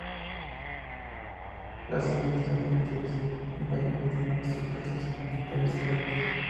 Las semillas están contenidas en vainas aplanadas dispuestas en espirales erectas.